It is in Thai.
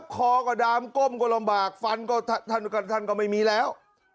คอก็ดามก้มก็ลำบากฟันก็ท่านก็ไม่มีแล้ว